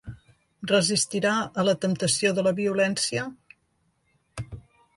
Resistirà a la temptació de la violència?